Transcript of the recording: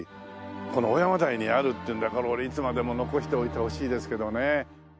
この尾山台にあるっていうんでこれいつまでも残しておいてほしいですけどね。